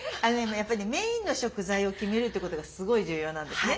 やっぱりメインの食材を決めるってことがすごい重要なんですね。